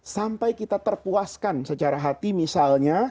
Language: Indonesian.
sampai kita terpuaskan secara hati misalnya